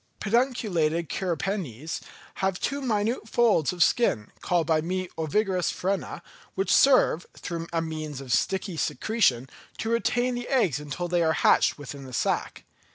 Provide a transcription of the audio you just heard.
Pedunculated cirripedes have two minute folds of skin, called by me the ovigerous frena, which serve, through the means of a sticky secretion, to retain the eggs until they are hatched within the sack.